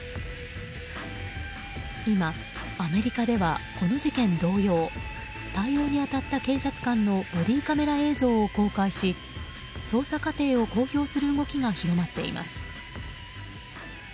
今、アメリカではこの事件同様対応に当たった警察官のボディーカメラ映像を公開し捜査過程を公表する動きが広がっています。